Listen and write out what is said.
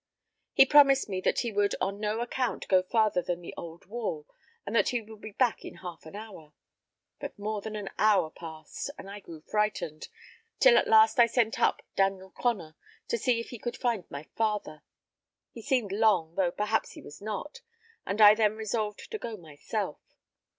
He promised me that he would on no account go farther than the old wall, and that he would be back in half an hour. But more than an hour passed, and I grew frightened, till at last I sent up Daniel Conner to see if he could find my father. He seemed long, though perhaps he was not, and I then resolved to go myself.